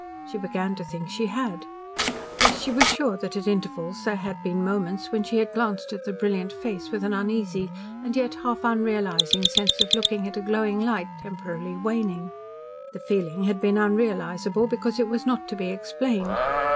She began to think she had. Yes, she was sure that at intervals there had been moments when she had glanced at the brilliant face with an uneasy and yet half unrealising sense of looking at a glowing light temporarily waning. The feeling had been unrealisable, because it was not to be explained.